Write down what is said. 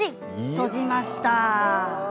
閉じました。